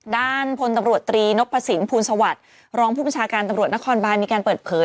ด้านพลตำรวจตรีนพสินภูลสวัสดิ์รองผู้บัญชาการตำรวจนครบานมีการเปิดเผย